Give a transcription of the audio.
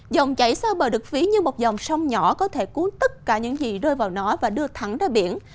dòng chảy xa bờ được ví như một dòng sông nhỏ có thể cuốn tất cả những gì rơi vào nó và đưa thẳng ra biển